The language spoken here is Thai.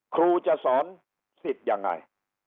ครูจะสอนสิทธิ์ยังไง